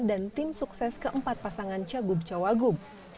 dan tim sukses keempat pasangan cagub cawagub